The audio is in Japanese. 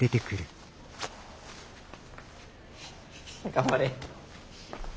頑張れ。